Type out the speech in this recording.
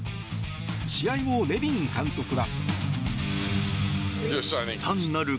試合後、ネビン監督は。